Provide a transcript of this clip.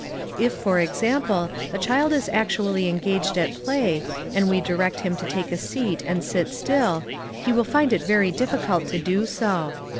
If, for example, a child is actually engaged at play, and we direct him to take a seat and sit still, he will find it very difficult to do so.